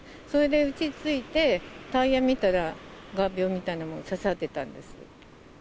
それでうち着いて、タイヤ見たら、画びょうみたいなものが刺さってたんです。